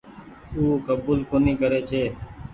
او ڪبول ڪونيٚ ڪري ڇي۔